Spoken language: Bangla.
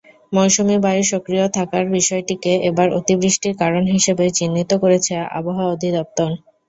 মৌসুমি বায়ু সক্রিয় থাকার বিষয়টিকে এবার অতিবৃষ্টির কারণ হিসেবে চিহ্নিত করেছে আবহাওয়া অধিদপ্তর।